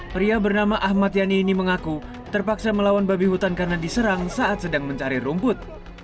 pria bernama ahmad yani ini mengaku terpaksa melawan babi hutan karena diserang saat sedang mencari rumput